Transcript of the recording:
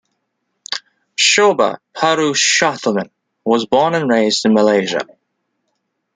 Shoba Purushothaman was born and raised in Malaysia.